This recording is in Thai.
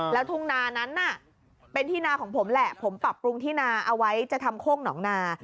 แล้วทุ่งนานั้นเป็นที่นาของผมแหละผมปรับปรุงที่นาเอาไว้จะทำโคกหนองนา